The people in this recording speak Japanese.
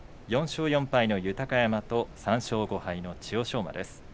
４勝４敗豊山と３勝５敗の千代翔馬。